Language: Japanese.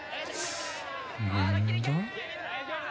何だ？